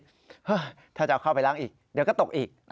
ถ้าจะเอาเข้าไปล้างอีกเดี๋ยวก็ตกอีก